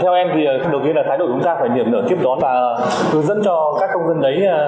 theo em thì đầu tiên là tái đội chúng ta phải nhận được tiếp đón và hướng dẫn cho các công dân đấy